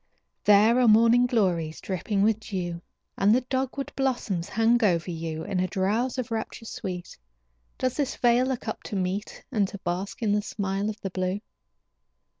There are morning glories dripping with dew, And the dogwood blossoms hang over you. In a drowse of rapture sweet Does this vale look up to meet, And to bask in the smile of the blue?